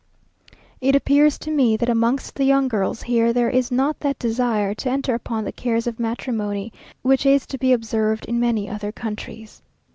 It appears to me, that amongst the young girls here there is not that desire to enter upon the cares of matrimony, which is to be observed in many other countries.